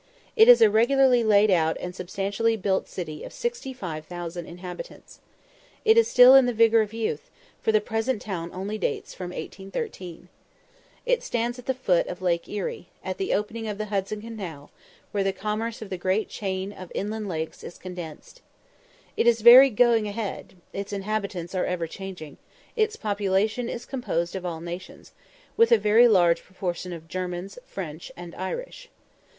It is a regularly laid out and substantially built city of 65,000 inhabitants. It is still in the vigour of youth, for the present town only dates from 1813. It stands at the foot of Lake Erie, at the opening of the Hudson canal, where the commerce of the great chain of inland lakes is condensed. It is very "going ahead;" its inhabitants are ever changing; its population is composed of all nations, with a very large proportion of Germans, French, and Irish.